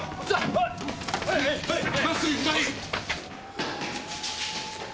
まっすぐ左！